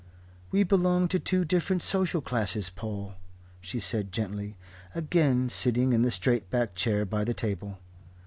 "We belong to two different social classes, Paul," she said gently, again sitting in the straight backed chair by the table.